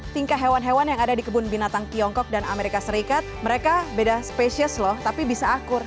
tingkah hewan hewan yang ada di kebun binatang tiongkok dan amerika serikat mereka beda spesies loh tapi bisa akur